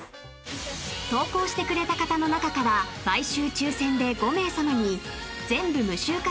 ［投稿してくれた方の中から毎週抽選で５名さまに全部無臭化